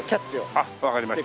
あっわかりました。